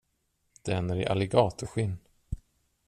Den är i alligatorskinn.